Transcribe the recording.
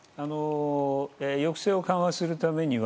抑制を緩和するためには